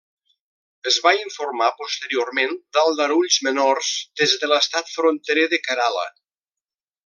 Es va informar posteriorment d'aldarulls menors des de l'estat fronterer de Kerala.